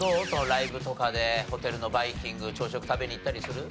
ライブとかでホテルのバイキング朝食食べに行ったりする？